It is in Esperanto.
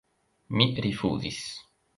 Mi rifuzis.